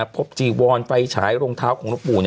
พบจีวอนไฟฉายโรงเท้าของลบบูน